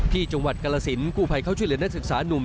ที่จังหวัดกรสินกู้ภัยเข้าช่วยเหลือนักศึกษานุ่ม